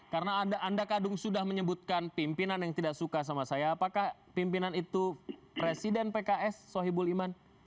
karena anda kadung sudah menyebutkan pimpinan yang tidak suka sama saya apakah pimpinan itu presiden pks sohibul iman